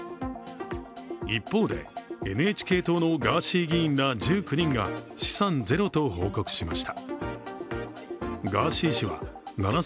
一方で、ＮＨＫ党のガーシー議員ら１９人が資産ゼロと報告しました。